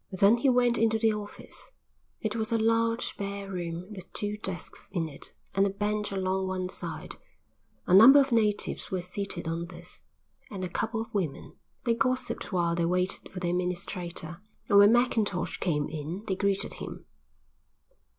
Then he went into the office. It was a large, bare room with two desks in it and a bench along one side. A number of natives were seated on this, and a couple of women. They gossiped while they waited for the administrator, and when Mackintosh came in they greeted him.